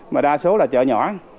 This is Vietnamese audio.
mà đa số là chợ nhỏ